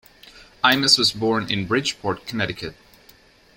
Eimas was born in Bridgeport, Connecticut.